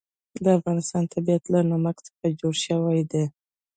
د افغانستان طبیعت له نمک څخه جوړ شوی دی.